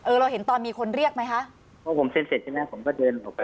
เราเห็นตอนมีคนเรียกไหมคะเพราะผมเซ็นเสร็จใช่ไหมผมก็เดินออกไป